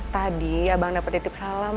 tadi abang dapat titip salam